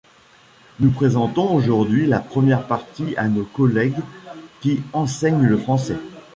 Nous présentons aujourd’hui la première partie à nos collègues qui enseignent le français.